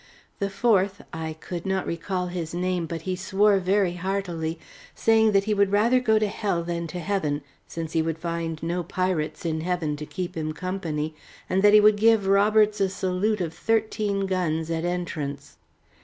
The fourth I could not recall his name, but he swore very heartily, saying that he would rather go to hell than to heaven, since he would find no pirates in heaven to keep him company, and that he would give Roberts a salute of thirteen guns at entrance.